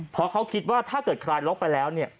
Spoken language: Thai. เพราะเขาคิดว่าถ้าเกิดคลายล็อกไปแล้วเนี่ย